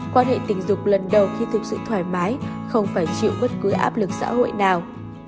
quan hệ tình dục lần đầu khi thực sự thoải mái không phải chịu bất cứ áp lực xã hội nào